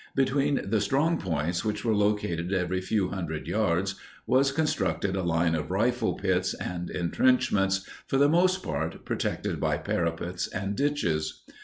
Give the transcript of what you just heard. Between the strong points, which were located every few hundred yards, was constructed a line of rifle pits and entrenchments, for the most part protected by parapets and ditches.